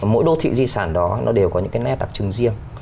mỗi đô thị di sản đó nó đều có những cái nét đặc trưng riêng